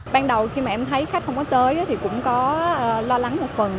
ban đầu khi mà em thấy khách không có tới thì cũng có lo lắng một phần